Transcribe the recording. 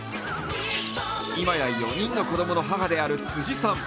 今や４人の子供の母である辻さん。